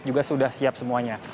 juga sudah siap semuanya